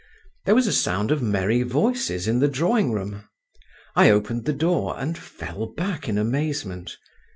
There was a sound of merry voices in the drawing room. I opened the door and fell back in amazement.